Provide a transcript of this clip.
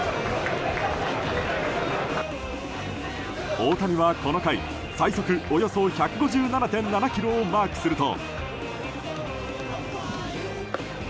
大谷はこの回最速およそ１５７．７キロをマークすると。